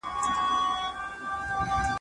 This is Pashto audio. پنډ اوربوز بدرنګه زامه یې لرله !.